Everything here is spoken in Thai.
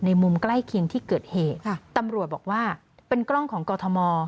มุมใกล้เคียงที่เกิดเหตุค่ะตำรวจบอกว่าเป็นกล้องของกรทม